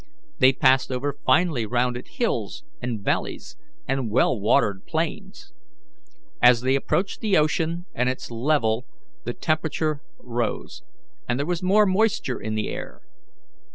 They passed over finely rounded hills and valleys and well watered plains. As they approached the ocean and its level the temperature rose, and there was more moisture in the air.